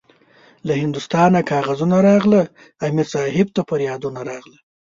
له هندوستانه کاغذونه راغله- امیر صاحب ته پریادونه راغله